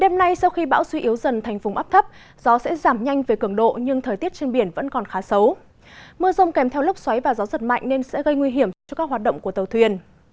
mưa rông kèm theo lúc xoáy và gió giật mạnh nên sẽ gây nguy hiểm cho các hoạt động của tàu thuyền